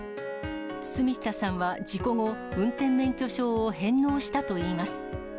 堤下さんは事故後、運転免許証を返納したといいます。